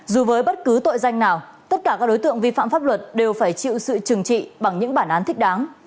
dù với bất cứ tội danh nào tất cả các đối tượng vi phạm pháp luật đều phải chịu sự trừng trị bằng những bản án thích đáng